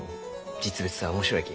実物は面白いき。